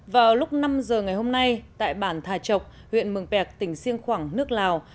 vào lúc năm giờ ngày hôm nay tại bản thà trọc huyện mường pẹc tỉnh siêng khoảng nước lào